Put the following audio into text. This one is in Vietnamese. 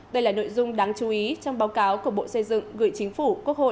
đây là nội dung đáng chú ý trong báo cáo của bộ xây dựng gửi chính phủ quốc hội